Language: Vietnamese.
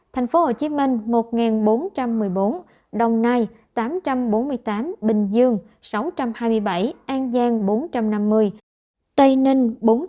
tp hcm một bốn trăm một mươi bốn đồng nai tám trăm bốn mươi tám bình dương sáu trăm hai mươi bảy an giang bốn trăm năm mươi tây ninh bốn mươi